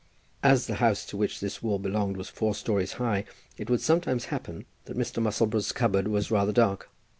As the house to which this wall belonged was four stories high, it would sometimes happen that Mr. Musselboro's cupboard was rather dark.